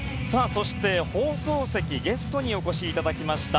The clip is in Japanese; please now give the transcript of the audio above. そして、放送席ゲストにお越しいただきました。